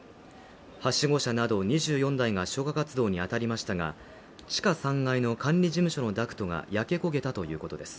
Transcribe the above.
はしご車など２４台が消火活動に当たりましたが地下３階の管理事務所のダクトが焼け焦げたということです。